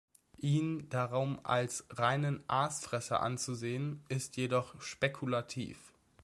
Ihn darum als reinen Aasfresser anzusehen ist jedoch spekulativ.